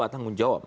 satu tanggung jawab